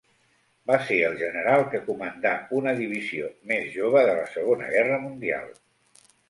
Va ser el general que comandà una divisió més jove de la Segona Guerra Mundial.